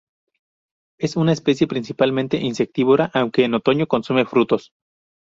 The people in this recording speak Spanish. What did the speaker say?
Es una especie principalmente insectívora, aunque en otoño consume frutos.